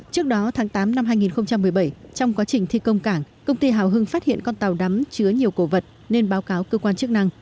trước đó tháng tám năm hai nghìn một mươi bảy trong quá trình thi công cảng công ty hào hưng phát hiện con tàu đắm chứa nhiều cổ vật nên báo cáo cơ quan chức năng